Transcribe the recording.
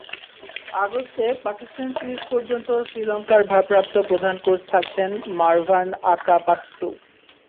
আগস্টে পাকিস্তান সিরিজ পর্যন্ত শ্রীলঙ্কার ভারপ্রাপ্ত প্রধান কোচ থাকছেন মারভান আতাপাত্তু।